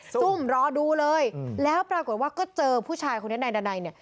ซุ่มรอดูเลยแล้วปรากฏว่าก็เจอผู้ชายคุณแน่นี่